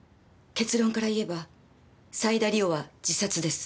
結論から言えば斎田梨緒は自殺です。